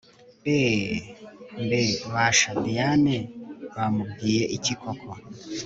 EeeeeeehMbe basha Diane bamubwiye iki koko